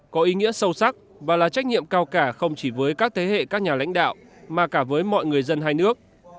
có ý nghĩa sâu sắc và là trách nhiệm cao cả không chỉ với các thế hệ các nhà lãnh đạo mà cả với mọi người dân hai nước